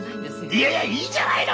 いやいやいいじゃないの！